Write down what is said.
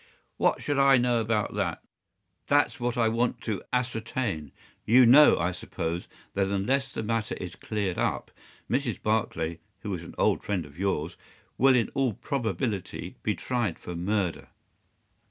"What should I know about that?" "That's what I want to ascertain. You know, I suppose, that unless the matter is cleared up, Mrs. Barclay, who is an old friend of yours, will in all probability be tried for murder."